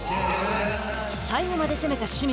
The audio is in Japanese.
最後まで攻めた清水。